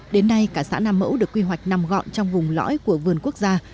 đến nay cả xã nam mẫu được quy hoạch nằm gọn trong vùng lõi của vườn quốc gia